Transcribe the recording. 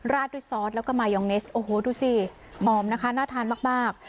ราดด้วยซอสแล้วก็มายองเนสโอ้โหดูสิหอมนะคะน่าทานมาก